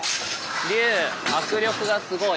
竜迫力がすごい。